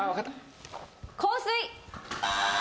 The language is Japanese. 『香水』！